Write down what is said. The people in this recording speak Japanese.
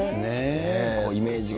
イメージが。